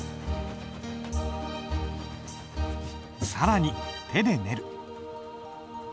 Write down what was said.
更に手で練る。